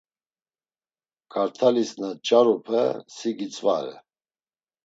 Kart̆alis na nç̌arupe si gitzvare.